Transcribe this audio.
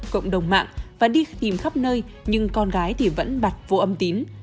cộng đồng mạng và đi tìm khắp nơi nhưng con gái vẫn bạch vô âm tím